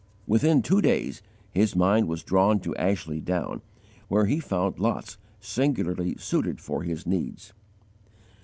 Within two days, his mind was drawn to Ashley Down, where he found lots singularly suited for his needs.